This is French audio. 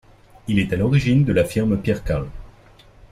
Il est à l'origine de la firme Pyrkal.